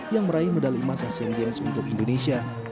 yang meraih medali emas asian games untuk indonesia